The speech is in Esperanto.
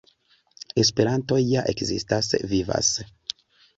Esperanto ja ekzistas, vivas.